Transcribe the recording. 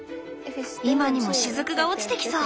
今にもしずくが落ちてきそう。